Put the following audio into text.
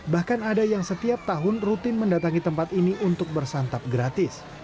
bahkan ada yang setiap tahun rutin mendatangi tempat ini untuk bersantap gratis